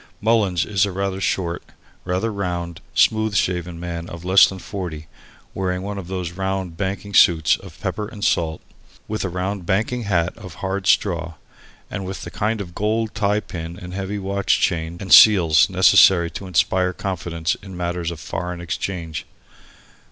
Mullins is a rather short, rather round, smooth shaven man of less than forty, wearing one of those round banking suits of pepper and salt, with a round banking hat of hard straw, and with the kind of gold tie pin and heavy watch chain and seals necessary to inspire confidence in matters of foreign exchange.